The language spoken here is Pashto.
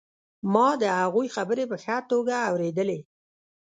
ما د هغوی خبرې په ښه توګه اورېدلې